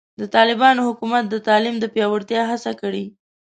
د طالبانو حکومت د تعلیم د پیاوړتیا هڅه کړې.